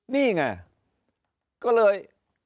นี่ไงก็เลย